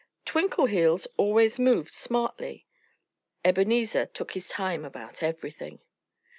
Twinkleheels always moved smartly. Ebenezer took his time about everything.